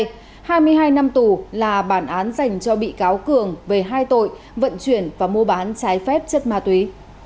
hai mươi hai năm tù là bản án dành cho bị cáo cường về hai tội vận chuyển và mua bán trái phép chất ma túy